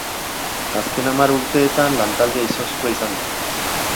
Azken hamar urteetan lantaldea izoztua izan da.